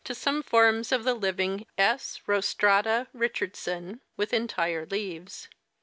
some forms of the living S. rosfraia, Richardson, with entii e leaves.